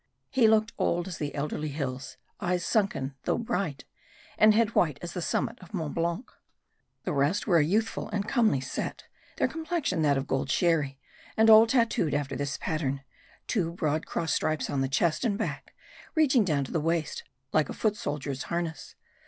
He looked old as the elderly hills ; eyes sunken, though bright ; and head white as the summit of Mont Blanc. The rest were a youthful and comely set : their com plexion that of Gold Sherry, and all tattooed after this pat tern : two broad cross stripes on the chest and back, reach ing down to the waist, like a foot soldier's harness.